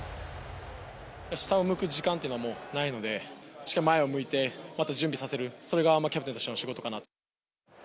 下を向く時間というのはもうないので、しっかり前を向いてまた準備させる、それがキャプテンとしての仕事かなと。